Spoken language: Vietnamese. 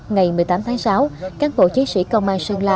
ngày một mươi tám tháng sáu các bộ chí sĩ công an sơn la